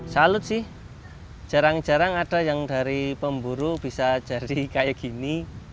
salut sih jarang jarang ada yang dari pemburu bisa jadi kayak gini